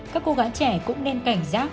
các cô gái trẻ cũng nên cảnh giác